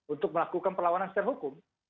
untuk melakukan perlawanan secara hukum